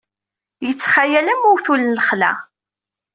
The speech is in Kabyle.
Yettxayal am uwtul n lexla.